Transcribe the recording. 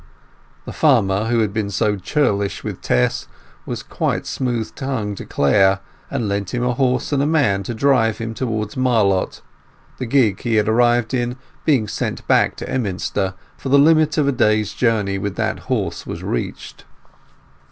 The farmer who had been so churlish with Tess was quite smooth tongued to Clare, and lent him a horse and man to drive him towards Marlott, the gig he had arrived in being sent back to Emminster; for the limit of a day's journey with that horse was reached.